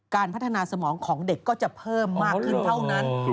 การพัฒนาสมองของเด็กก็จะเพิ่มมากขึ้นเท่านั้น